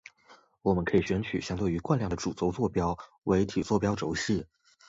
我们可以选取相对于惯量的主轴坐标为体坐标轴系。